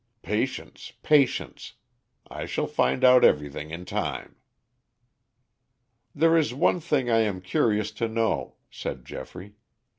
Patience, patience. I shall find out everything in time." "There is one thing I am curious to know," said Geoffrey.